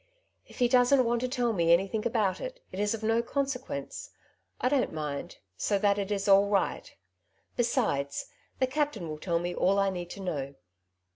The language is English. If he don^t want to tell me anything about it, it is of no consequence ; I don't mind, so that it is all right. Besides, the captain will tell me all I need to know."